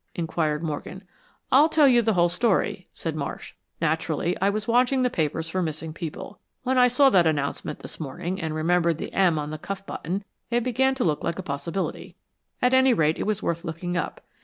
inquired Morgan. "I'll tell you the whole story," said Marsh. "Naturally, I was watching the papers for missing people. When I saw that announcement this morning, and remembered the 'M' on the cuff button, it began to look like a possibility. At any rate, it was worth looking up.